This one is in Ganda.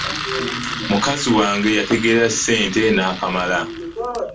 Mukazi wange yategeera ssente n'akamala!